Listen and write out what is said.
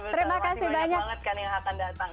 terima kasih banyak